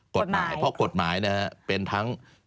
กฎหมายเพราะกฎหมายเนี่ยฮะเป็นทั้งกฎหมาย